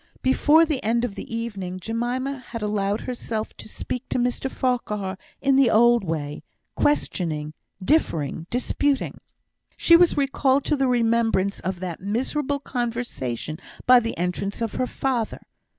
Before the end of the evening, Jemima had allowed herself to speak to Mr Farquhar in the old way questioning, differing, disputing. She was recalled to the remembrance of that miserable conversation by the entrance of her father.